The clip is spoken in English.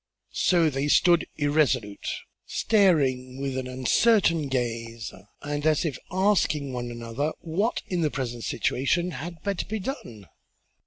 So they stood irresolute, staring with an uncertain gaze and as if asking one another what in the present situation had better be done.